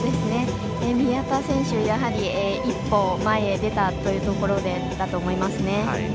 宮田選手やはり一歩前へ出たというところだと思います。